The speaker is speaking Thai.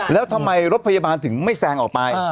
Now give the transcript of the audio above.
แล้วทำไมรถพยาบาลถึงไม่แซงออกไป